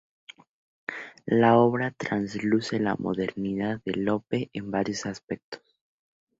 La obra trasluce la modernidad de Lope en varios aspectos.